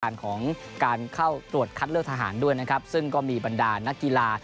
ของการเข้าตรวจคัดเลือกทหารด้วยนะครับซึ่งก็มีบรรดานักกีฬา